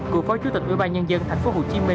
cựu phó chủ tịch ubnd tp hcm